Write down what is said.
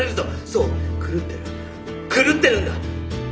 そう狂ってる狂ってるんだ！